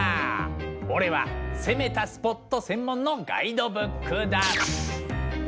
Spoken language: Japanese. オレは攻めたスポット専門のガイドブックだ！